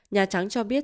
nhà trắng cho biết